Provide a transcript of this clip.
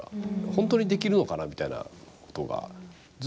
本当にできるのかなみたいなことがずっとあって。